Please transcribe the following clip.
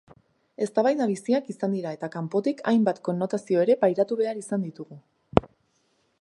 Eztabaida biziak izan dira eta kanpotik hainbat konnotazio ere pairatu behar izan ditugu.